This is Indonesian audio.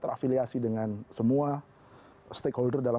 terafiliasi dengan semua stakeholder dalam